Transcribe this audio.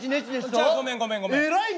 じゃあごめんごめんごめん。